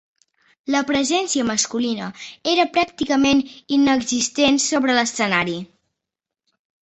La presència masculina era pràcticament inexistent sobre l'escenari.